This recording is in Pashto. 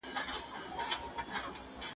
هغه د واک لېږد طبيعي بهير ګاڼه.